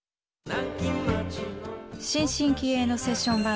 新進気鋭のセッション